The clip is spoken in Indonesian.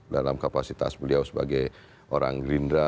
dalam kapasitas beliau sebagai orang gerindra